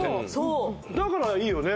だからいいよね。